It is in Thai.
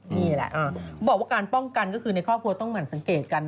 นี่แหละเขาบอกว่าการป้องกันก็คือในครอบครัวต้องหั่นสังเกตกัน